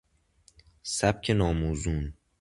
سبک ناموزون